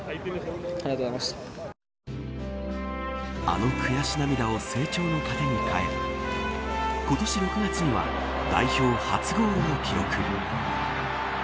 あの悔し涙を成長の糧に変え今年６月には代表初ゴールを記録。